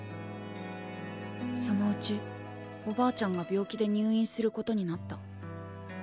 そのうちおばあちゃんが病気で入院することになった。